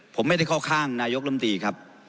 ผมไม่ได้เข้าข้างนายกลำตีครับ